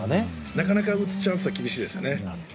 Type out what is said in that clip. なかなか打つチャンスは厳しいですよね。